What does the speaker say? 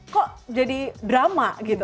kok jadi drama gitu